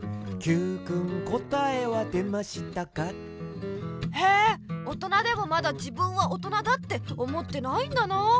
「Ｑくんこたえはでましたか？」へえ大人でもまだ自分は大人だって思ってないんだなあ。